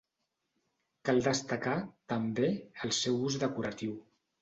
Cal destacar, també, el seu ús decoratiu.